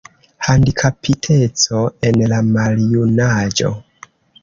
Handikapiteco en la maljunaĝo.